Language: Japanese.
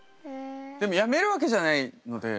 でもやめるわけじゃないので。